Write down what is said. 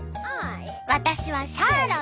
私はシャーロット。